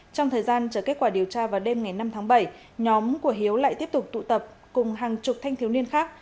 trong thời gian chờ kết quả điều tra vào đêm ngày năm tháng bảy nhóm của hiếu lại tiếp tục tụ tập cùng hàng chục thanh thiếu niên khác